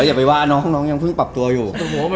อย่าไปว่าน้องยังเพิ่งปรับตัวอยู่